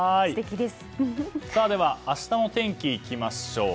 では明日の天気にいきましょう。